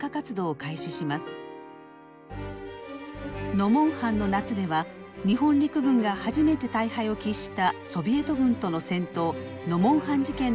「ノモンハンの夏」では日本陸軍が初めて大敗を喫したソビエト軍との戦闘「ノモンハン事件」の真相に迫りました。